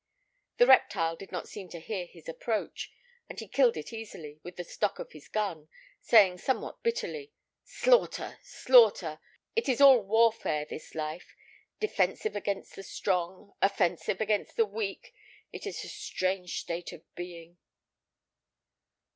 The reptile did not seem to hear his approach, and he killed it easily with the stock of his gun, saying somewhat bitterly, "Slaughter, slaughter! It is all warfare, this life; defensive against the strong, offensive against the weak. It is a strange state of being!"